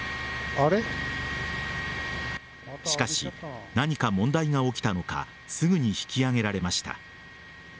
しかし、何か問題が起きたのかすぐに引き上げられました。